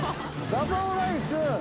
ガパオライス。